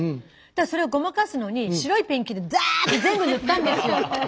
それをごまかすのに白いペンキでザーッて全部塗ったんですよ。